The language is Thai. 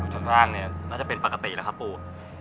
ดูสถานเนี่ยน่าจะเป็นปกติแล้วครับปู